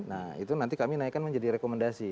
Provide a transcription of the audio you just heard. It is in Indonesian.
nah itu nanti kami naikkan menjadi rekomendasi